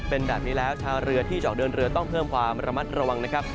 เป็นแบบนี้แล้วชาวเรือที่จะออกเดินเรือต้องเพิ่มความระมัดระวังนะครับ